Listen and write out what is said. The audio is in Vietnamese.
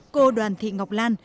cô đoàn thị ngọc lan